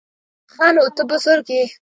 _ښه نو، ته بزرګ يې؟